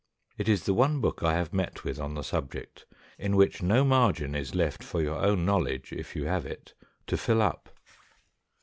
It is the one book I have met with on the subject in which no margin is left for your own knowledge, if you have it, to fill up.